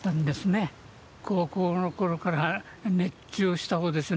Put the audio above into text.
高校の頃から熱中をしたほうですね。